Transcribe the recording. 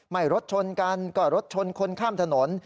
รถชนกันก็รถชนคนข้ามถนน